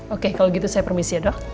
oke kalau gitu saya permisi ya dok